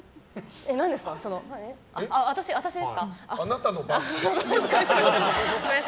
私ですか？